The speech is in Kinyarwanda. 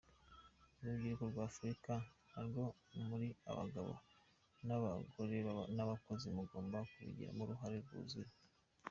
Urubyiruko rw’Afurika narwo muri abagabo n’abagore b’abakozi, mugomba kubigiramo uruhare rwuzuye.